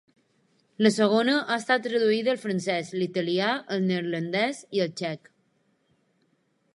La segona ha estat traduïda al francès, l’italià, el neerlandès i el txec.